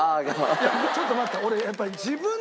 ちょっと待って。